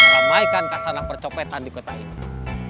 meramaikan kasarang percopetan di kota ini